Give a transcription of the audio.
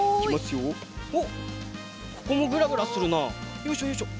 よいしょよいしょ。